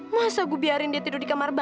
masa gue biarin dia tidur di kamar